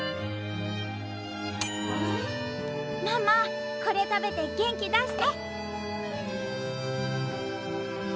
ママこれ食べて元気出して！